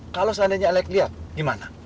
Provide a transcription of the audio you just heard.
kalau seandainya elik liat gimana